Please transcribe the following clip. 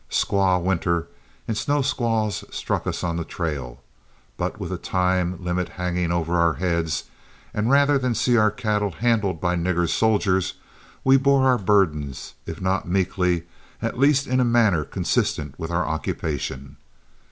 Squaw winter and snow squalls struck us on the trail, but with a time limit hanging over our heads, and rather than see our cattle handled by nigger soldiers, we bore our burdens, if not meekly, at least in a manner consistent with our occupation.